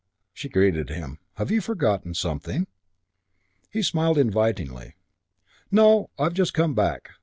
she greeted him. "Have you forgotten something?" He smiled invitingly. "No, I've just come back.